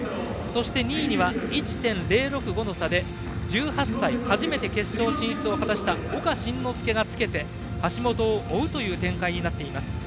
そして２位には１．０６５の差で１８歳初めて決勝進出を果たした岡慎之助がつけて橋本を追うという展開になっています。